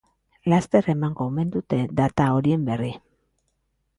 Laster emango omendute data horien berri.